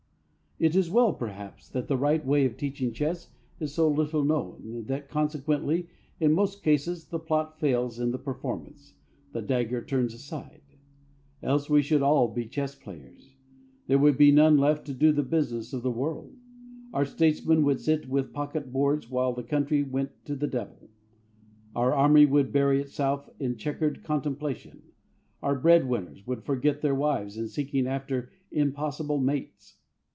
It is well, perhaps, that the right way of teaching chess is so little known, that consequently in most cases the plot fails in the performance, the dagger turns aside. Else we should all be chess players there would be none left to do the business of the world. Our statesmen would sit with pocket boards while the country went to the devil, our army would bury itself in chequered contemplation, our bread winners would forget their wives in seeking after impossible mates.